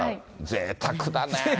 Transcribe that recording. ぜいたくだねえ。